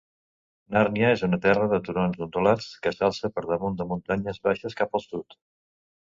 Nàrnia és una terra de turons ondulats que s'alça per damunt de muntanyes baixes cap al sud.